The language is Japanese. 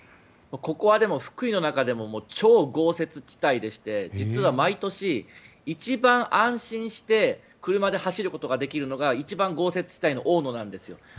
ここは福井の中でも超豪雪地帯でして実は毎年、一番安心して車で走ることができるのが一番豪雪地帯の大野なんですよ。